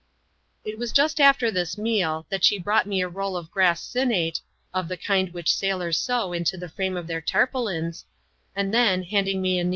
It was just after this meal, that she brought me a roll of grass sinuate (of the kind which sailors sew into the frame of their tarpaulins)^ and then, liaiidm^m<&«bii^%.